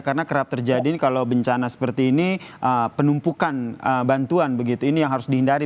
karena kerap terjadi kalau bencana seperti ini penumpukan bantuan begitu ini yang harus dihindari